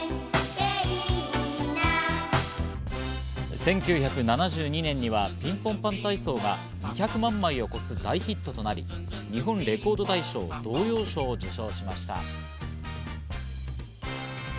１９７２年には『ピンポンパン体操』が２００万枚を超す大ヒットとなり、日本レコード大賞・童謡賞を受賞しました。